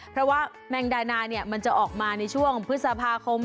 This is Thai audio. เพราะว่าแมงดานามันจะออกมาในช่วงพฤษภาคม